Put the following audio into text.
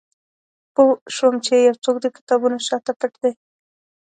پوه شوم چې یو څوک د کتابونو شاته پټ دی